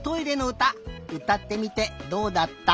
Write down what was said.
うたってみてどうだった？